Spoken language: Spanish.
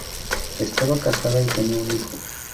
Estaba casada y tenía un hijo.